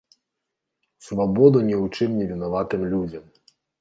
Свабоду ні ў чым не вінаватым людзям!